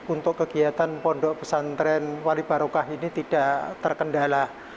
untuk kegiatan pondok pesantren wali barokah ini tidak terkendala